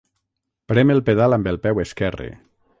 Prem el pedal amb el peu esquerre.